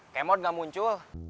kmot gak muncul